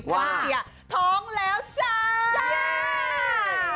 แพทย์ที่เสียท้องแล้วจ้า